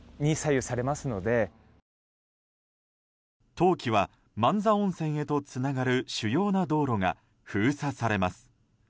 冬季は万座温泉へとつながる主要な道路が封鎖されます。